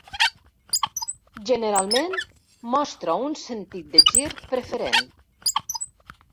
Generalment mostra un sentit de gir preferent.